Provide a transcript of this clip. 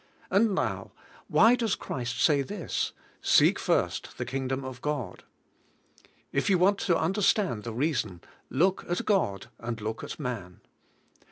And now, wh\^ does Christ say this: "Seek first the Kingdom of God?" If you want to understand the reason, look at God, and look at man.